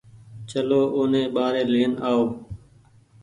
چلو اوني ٻآري لين آئو